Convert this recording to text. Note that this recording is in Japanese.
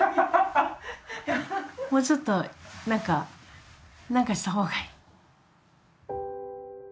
もうちょっとなんかなんかしたほうがいい？